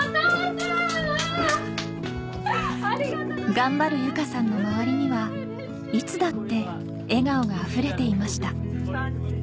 頑張る由佳さんの周りにはいつだって笑顔があふれていました